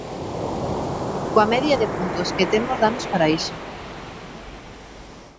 Coa media de puntos que temos danos para iso.